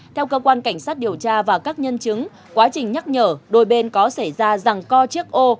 theo cơ quan cảnh sát điều tra và các nhân chứng quá trình nhắc nhở đôi bên có xảy ra rằng co chiếc ô